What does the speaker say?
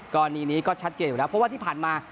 กรณีนี้ก็ชัดเจนอยู่แล้วเพราะว่าที่ผ่านมา